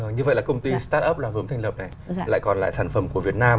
như vậy là công ty startup là vừa mới thành lập này lại còn lại sản phẩm của việt nam